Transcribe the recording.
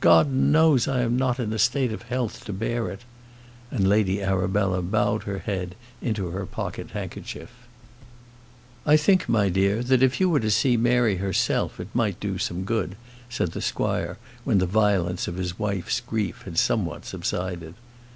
God knows I am not in a state of health to bear it!" And Lady Arabella bowed her head into her pocket handkerchief. "I think, my dear, if you were to see Mary herself it might do some good," said the squire, when the violence of his wife's grief had somewhat subsided.